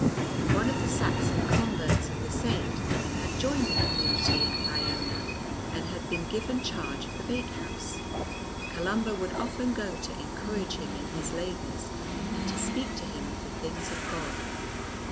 One of the Saxon converts of the Saint had joined the community at Iona, and had been given charge of the bakehouse. Columba would often go to encourage him in his labours and to speak to him of the things of God.